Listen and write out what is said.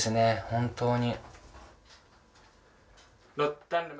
本当に。